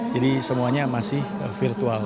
jadi semuanya masih virtual